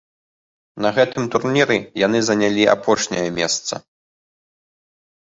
На гэтым турніры яны занялі апошняя месца.